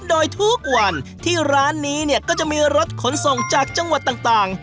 โดยทุกวันที่ร้านนี้เนี่ยก็จะมีรถขนส่งจากจังหวัดต่าง